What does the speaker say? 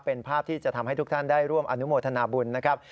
เป็นภาพที่จะทำให้ทุกท่านได้ร่วมอนุโมทนาบุญนะครับ